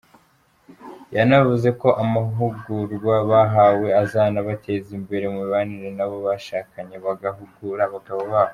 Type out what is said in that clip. Yanavuze ko amahugurwa bahawe azanabateza imbere mu mibanire n’abo bashakanye, bagahugura abagabo babo.